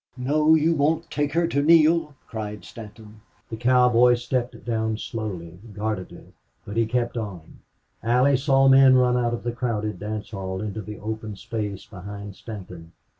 "No, you won't take her to Neale!" cried Stanton. The cowboy stepped down slowly, guardedly, but he kept on. Allie saw men run out of the crowded dance hall into the open space behind Stanton.